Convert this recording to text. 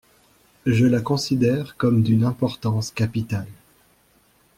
Je la considère comme d'une importance capitale.